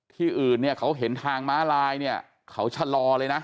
ที่อื่นเนี่ยเขาเห็นทางม้าลายเนี่ยเขาชะลอเลยนะ